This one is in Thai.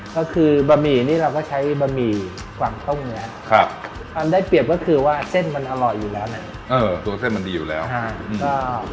ก็คือบะหมี่นี่เราก็ใช้บะหมี่กวางต้มเนื้อครับความได้เปรียบก็คือว่าเส้นมันอร่อยอยู่แล้วแหละเออตัวเส้นมันดีอยู่แล้วใช่